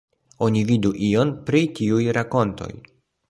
Oni vidu ion pri tiuj rakontoj.